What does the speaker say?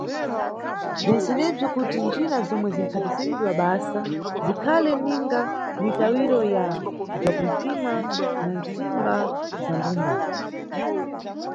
Bzentsenebzi kuti njira zomwe zimʼphatisidwa basa zikhale ninga mitawiro ya bzakuntima na ntsimba bza mbumba.